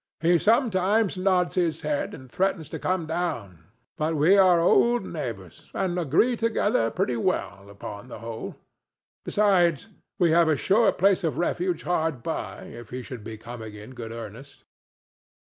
"He sometimes nods his head and threatens to come down, but we are old neighbors, and agree together pretty well, upon the whole. Besides, we have a sure place of refuge hard by if he should be coming in good earnest."